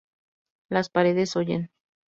Las paredes oyen